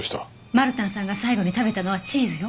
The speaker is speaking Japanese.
マルタンさんが最後に食べたのはチーズよ。